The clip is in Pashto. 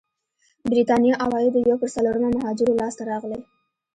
برېتانيا عوايدو یو پر څلورمه مهاجرو لاسته راغلي.